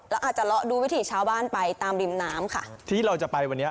อาจจะเลาะดูวิถีชาวบ้านไปตามริมน้ำค่ะที่เราจะไปวันนี้